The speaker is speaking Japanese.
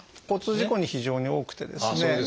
交通事故に非常に多くてですね